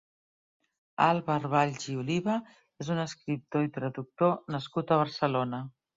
Àlvar Valls i Oliva és un escriptor i traductor nascut a Barcelona.